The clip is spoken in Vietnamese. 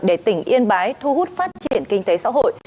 để tỉnh yên bái thu hút phát triển kinh tế xã hội